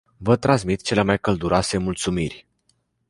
Vă transmit cele mai călduroase mulțumiri.